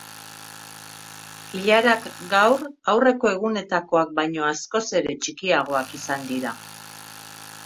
Ilarak, gaur, aurreko egunetakoak baino askoz ere txikiagoak izan dira.